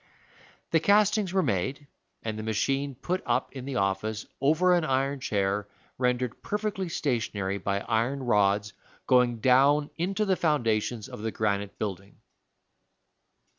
The castings were made, and the machine put up in the office, over an iron chair rendered perfectly stationary by iron rods going down into the foundations of the granite building.